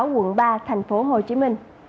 quận ba tp hcm